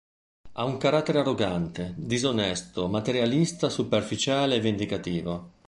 Ha un carattere arrogante, disonesto, materialista, superficiale e vendicativo.